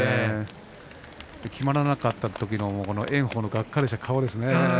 決まらなかったときの炎鵬のがっかりした顔ですね